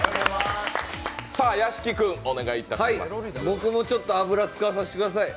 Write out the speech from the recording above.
僕もちょっと油、使わせてください。